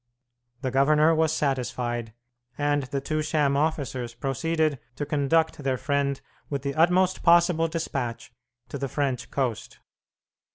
The governor was satisfied, and the two sham officers proceeded to "conduct" their friend with the utmost possible despatch to the French coast.